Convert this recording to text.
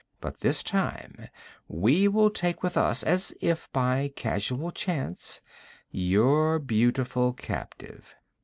But this time we will take with us, as if by casual chance, your beautiful captive.'